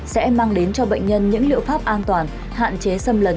sẽ mang đến cho bệnh nhân những liệu pháp an toàn hạn chế xâm lấn